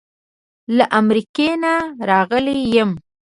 له امریکې نه راغلی یم.